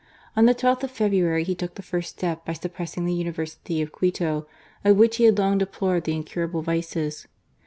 On the 12th of February he took the first step by suppressing the University of Quito, of which he had long deplored the incurable vices.